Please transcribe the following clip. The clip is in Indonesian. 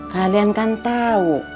kalian kan tau